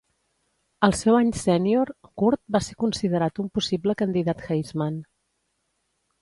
Al seu any sènior, Kurt va ser considerat un possible candidat Heisman.